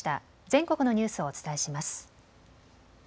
全国のニュースをお伝えします。